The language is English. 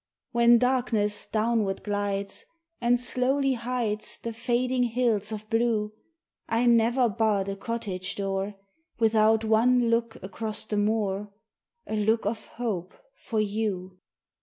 When darkness downward glides And slowly hides The fading hills of blue, I never bar the cottage door Without one look across the moor, A look of hope for you.